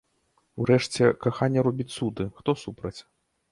Урэшце, каханне робіць цуды, хто супраць?